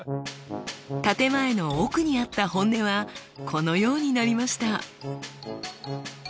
建て前の奥にあった本音はこのようになりました。